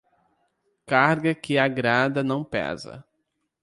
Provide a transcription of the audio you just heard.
Carga que agrada não pesa.